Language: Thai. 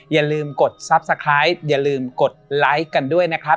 อย่าลืมกดซับสไครบ์อย่าลืมกดไลค์กันด้วยนะครับ